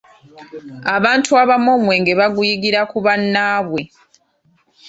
Abantu abamu omwenge baguyigira ku bannaabwe.